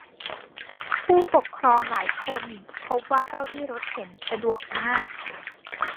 ผู้ปกครองหลายคนพบว่าเก้าอี้รถเข็นสะดวกมาก